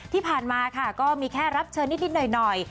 ที่ผ่านมาค่ะก็มีแค่รับเชิญนิดหน่อย